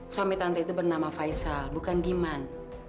suami tante itu bernama faisal bukan giman